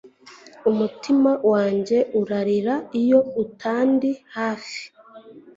Umutima wanjye urarira iyo utandi hafi